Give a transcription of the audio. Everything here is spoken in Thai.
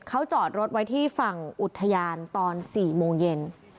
เขาจอดรถไว้ที่ฝั่งอุทยานตอน๔โมงเย็น